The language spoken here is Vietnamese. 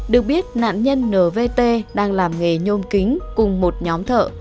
được biết nạn nhân nvt đang làm nghề nhôm kính cùng một nhóm thợ